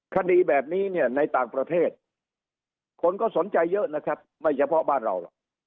คดีแบบนี้เนี่ยในต่างประเทศคนก็สนใจเยอะนะครับไม่เฉพาะบ้านเรา